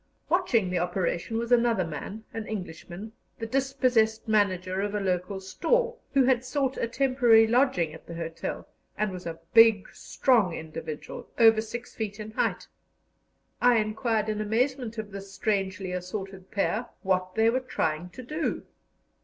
Watching the operation was another man, an Englishman, the dispossessed manager of a local store, who had sought a temporary lodging at the hotel, and was a big, strong individual, over 6 feet in height. I inquired in amazement, of this strangely assorted pair, what they were trying to do.